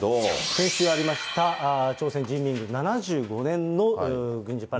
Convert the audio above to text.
先週ありました朝鮮人民軍７５年の軍事パレード。